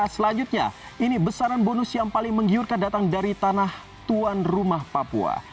selanjutnya ini besaran bonus yang paling menggiurkan datang dari tanah tuan rumah papua